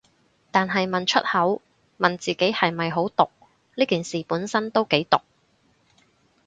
但係問出口，問自己係咪好毒，呢件事本身都幾毒